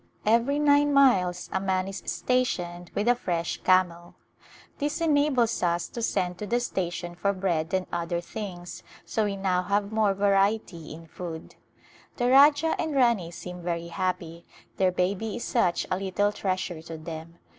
Every nine miles a man is stationed with a fresh camel. This enables us to [215 J A Glimpse of India send to the station for bread and other things, so we now have more variety in food. The Rajah and Rani seem very happy ; their baby is such a little treasure to them.